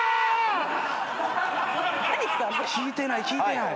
聞いてない聞いてない。